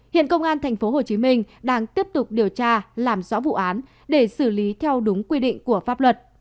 hiện công an tp hcm đang tiếp tục điều tra làm rõ vụ án để xử lý theo đúng quy định của pháp luật